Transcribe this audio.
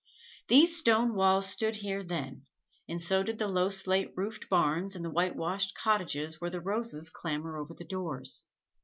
These stone walls stood here then, and so did the low slate roofed barns and the whitewashed cottages where the roses clamber over the doors.